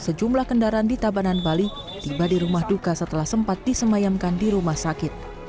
sejumlah kendaraan di tabanan bali tiba di rumah duka setelah sempat disemayamkan di rumah sakit